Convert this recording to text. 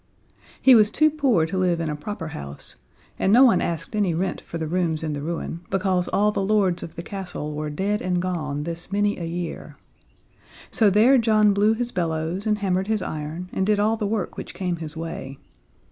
He was too poor to live in a proper house, and no one asked any rent for the rooms in the ruin, because all the lords of the castle were dead and gone this many a year. So there John blew his bellows and hammered his iron and did all the work which came his way.